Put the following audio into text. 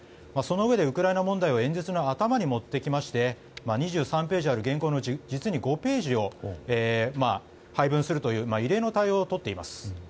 そのうえでウクライナ問題を演説の頭に持ってきまして２３ページある原稿のうち実に５ページを配分するという異例の対応をとっています。